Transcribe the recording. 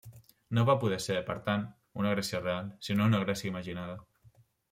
No va poder ser, per tant, una Grècia real, sinó una Grècia imaginada.